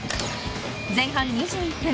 前半２１分。